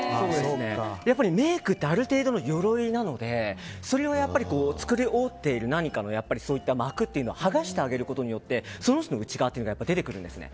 やっぱりメイクってある程度の鎧なのでそれを作り覆っている何かのそういった膜をはがしてあげることによってその人の内側というのが出てくるんですね。